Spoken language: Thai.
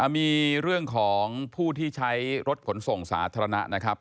มีเรื่องของผู้ที่ใช้รถขนส่งสาธารณะนะครับ